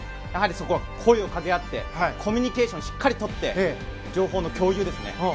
やはりそこは声をかけ合ってコミュニケーションをしっかり取って情報の共有ですね。